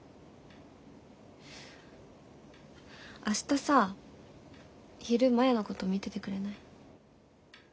明日さ昼摩耶のこと見ててくれない？